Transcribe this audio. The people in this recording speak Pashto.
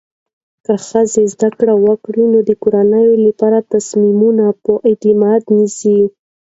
که ښځه زده کړه وکړي، نو د کورنۍ لپاره تصمیمونه په اعتماد نیسي.